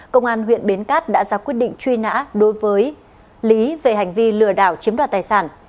công an huyện bến cát đã ra quyết định truy nã đối với lý về hành vi lừa đảo chiếm đoạt tài sản